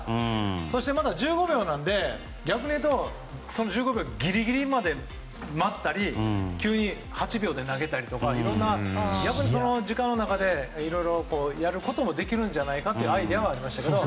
そしてまた、１５秒なので逆に言うと、その１５秒ってギリギリまで待ったり急に８秒で投げたりとか逆に時間の中でいろいろやることもできるんじゃないかというアイデアもありましたけど。